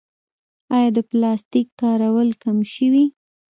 آیا د پلاستیک کارول کم شوي؟